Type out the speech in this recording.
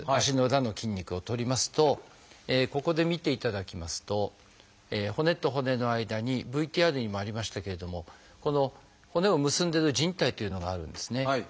足の裏の筋肉を取りますとここで見ていただきますと骨と骨の間にＶＴＲにもありましたけれどもこの骨を結んでるじん帯っていうのがあるんですね。